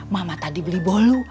mama tadi beli bolu